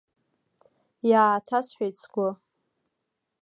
Иааҭасҳәеит сгәы.